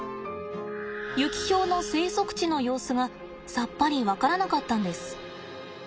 ユキヒョウの生息地の様子がさっぱり分からなかったんです。